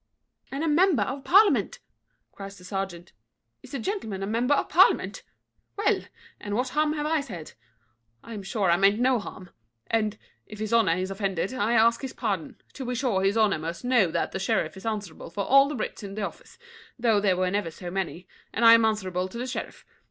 "And a member of parliament?" cries the serjeant. "Is the gentleman a member of parliament? Well, and what harm have I said? I am sure I meant no harm; and, if his honour is offended, I ask his pardon; to be sure his honour must know that the sheriff is answerable for all the writs in the office, though they were never so many, and I am answerable to the sheriff.